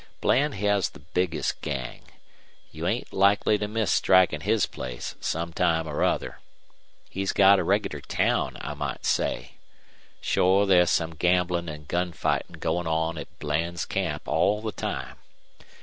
Bland has the biggest gang. You ain't likely to miss strikin' his place sometime or other. He's got a regular town, I might say. Shore there's some gamblin' an' gun fightin' goin' on at Bland's camp all the time.